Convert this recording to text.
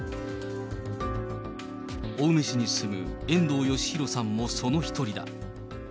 青梅市に住む遠藤よしひろさんもその一人だ。